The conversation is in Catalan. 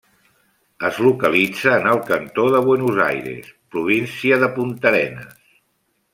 Es localitza en el cantó de Buenos Aires, província de Puntarenas.